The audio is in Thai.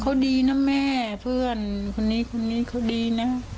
เขาดีนะแม่เพื่อนคนนี้คนนี้เขาดีนะ